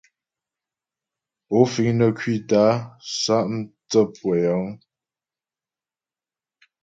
Ó fíŋ nə́ ŋkwítə́ a sá' mtsə́ pʉə́ yəŋ ?